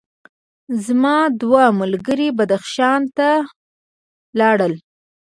زما دوه ملګري بدخشان ته لاړل.